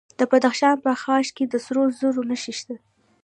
د بدخشان په خاش کې د سرو زرو نښې شته.